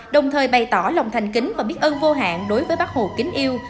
đồng thời bày tỏ lòng thành kính và biết ơn vô hạn đối với bác hồ kính yêu